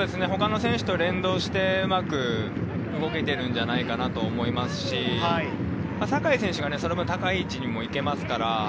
ほかの選手と連動してうまく動けてるんじゃないかなと思いますし、酒井選手がその分、高い位置にも行けますから。